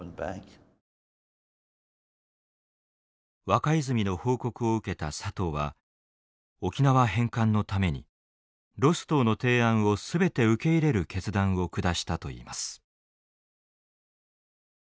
若泉の報告を受けた佐藤は沖縄返還のためにロストウの提案を全て受け入れる決断を下したといいます。